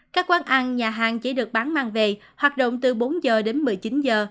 các quán ăn nhà hàng chỉ được bán mang về hoạt động từ bốn giờ đến một mươi chín giờ